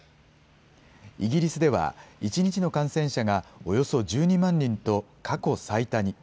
イギリスでは、１日の感染者がおよそ１２万人と、過去最多に。